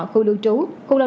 khu lưu trú khu lao động